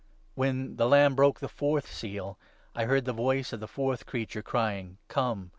When the Lamb broke the fourth seal, I heard the voice of 7 the fourth Creature crying —' Come.'